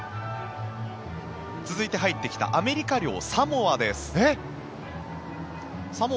続いて入ってきたアメリカ領サモアです。